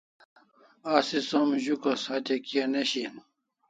Asi som zukas hatya kia ne shian